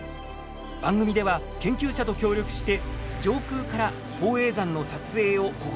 番組では研究者と協力して上空から宝永山の撮影を試みました。